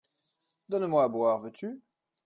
Donne-moi à boire, veux-tu ?